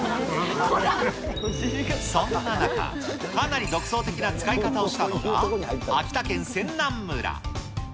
そんな中、かなり独創的な使い方をしたのが、秋田県仙南村。